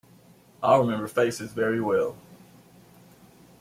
I remember faces very well.